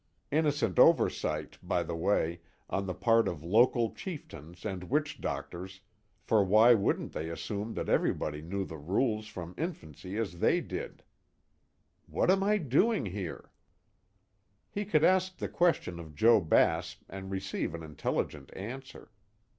Innocent oversight, by the way, on the part of local chieftains and witchdoctors, for why wouldn't they assume that everybody knew the rules from infancy as they did? What am I doing here? He could ask the question of Joe Bass and receive an intelligent answer.